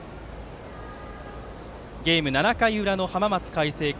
ゲーム、７回の裏の浜松開誠館。